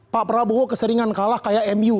pak prabowo keseringan kalah kayak mu